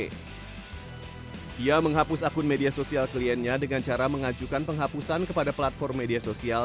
dia menghapus akun media sosial kliennya dengan cara mengajukan penghapusan kepada platform media sosial